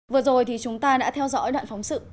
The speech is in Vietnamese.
vừa rồi thì chúng ta đã theo dõi đoạn phóng sự